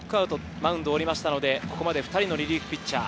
マウンドを降りましたので、ここまで２人のリリーフピッチャー。